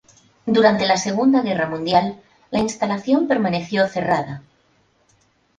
Durante la Segunda Guerra Mundial la instalación permaneció cerrada.